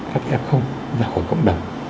khách hàng không ra khỏi cộng đồng